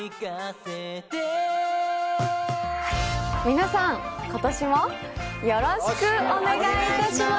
皆さん今年もよろしくお願いいたします